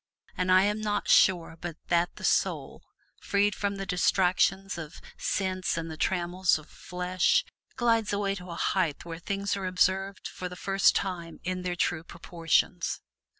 And I am not sure but that the soul, freed from the distractions of sense and the trammels of flesh, glides away to a height where things are observed for the first time in their true proportions.